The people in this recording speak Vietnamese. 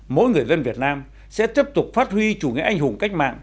mỗi người dân việt nam sẽ tiếp tục phát huy chủ nghĩa anh hùng cách mạng